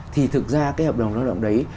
thì thực ra cái hợp đồng lao động đấy